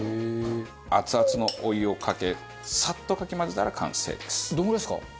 アツアツのお湯をかけサッとかき混ぜたら完成です。